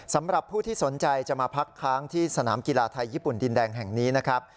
สำหรับผู้ที่สนใจจะมาพักค้างที่สนามกีฬาไทยญี่ปุ่นดินแดงแห่งนี้นะครับ